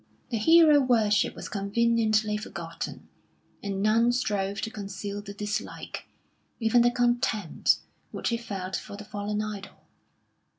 The hero worship was conveniently forgotten, and none strove to conceal the dislike, even the contempt, which he felt for the fallen idol.